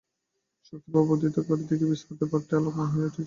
শক্তিপ্রবাহ বর্ধিত কর, দেখিবে ইস্পাতের পাতটি আলোকময় হইয়া উঠিয়াছে।